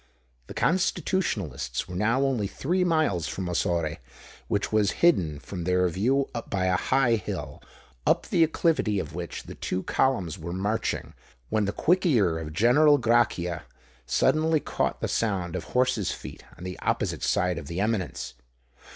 The Constitutionalists were now only three miles from Ossore, which was hidden from their view by a high hill, up the acclivity of which the two columns were marching, when the quick ear of General Grachia suddenly caught the sound of horses' feet on the opposite side of the eminence.